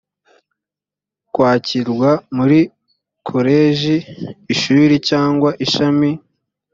kwakirwa muri koleji, ishuri cyangwa ishami